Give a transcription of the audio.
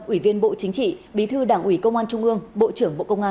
ủy viên bộ chính trị bí thư đảng ủy công an trung ương bộ trưởng bộ công an